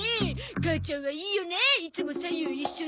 母ちゃんはいいよねいつも左右一緒で。